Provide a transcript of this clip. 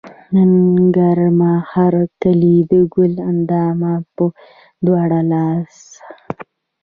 نن کړمه هر کلے د ګل اندام پۀ دواړه لاسه